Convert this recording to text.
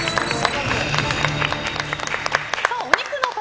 お肉の塊